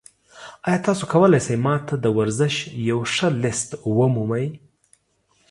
ایا تاسو کولی شئ ما ته د ورزش یو ښه لیست ومومئ؟